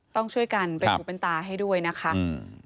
ต้องช่วยกันเป็นหูเป็นตาให้ด้วยนะคะอืม